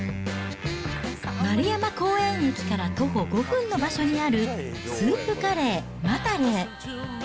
円山公園駅から徒歩５分の場所にある、スープカレー、マタレー。